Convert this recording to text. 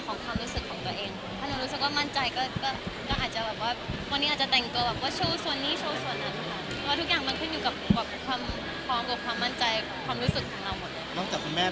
ก็ทุกอย่างมันขึ้นอยู่กับกลวงความมั่นใจกลวงความรู้สึกของเรามันหมด